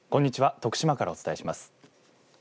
徳島からお伝えします。